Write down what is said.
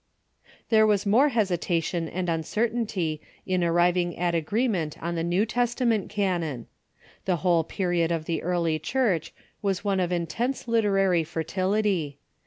There was more hesitation and uncertainty in arriving at agreement on the New Testament canon. The whole period of the early Church was one of intense literary New Testament „.,. i^t ■,^• i ^i •• fertility.